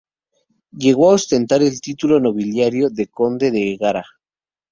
Llegó a ostentar el título nobiliario de Conde de Egara.